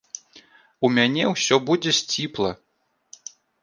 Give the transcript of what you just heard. У мяне ўсё будзе сціпла.